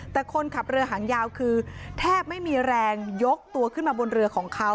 แต่คนขับเรือหางยาวคือแทบไม่มีแรงยกตัวขึ้นมาบนเรือของเขา